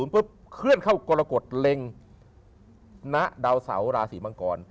เคลื่อนเข้ากรกฎเล็งณดาวเสาราศีมังกร